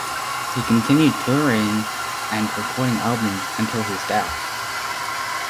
He continued touring and recording albums until his death.